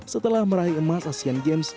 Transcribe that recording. setelah meraih emas asean games